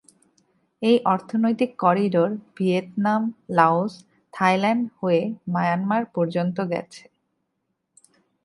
এই অর্থনৈতিক corridor Vietnam, Laos, Thailand, হয়ে মায়ানমার পর্যন্ত গেছে।